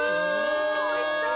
おいしそう！